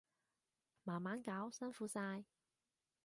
慢慢搞，辛苦晒